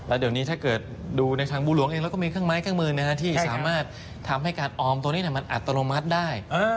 แล้วตอนนี้ถ้าดูในชั้นบูลวงเองเราก็มีข้างไม้ข้างเมืองนะที่สามารถทำให้การออมตัวนี้อัตโตโนมัติได้